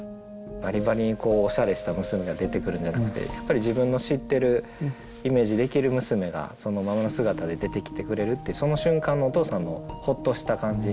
バリバリにおしゃれした娘が出てくるんじゃなくてやっぱり自分の知ってるイメージできる娘がそのままの姿で出てきてくれるっていうその瞬間のお父さんのホッとした感じ。